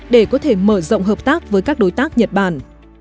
để có thể mở rộng hợp tác với các đối tác nhật bản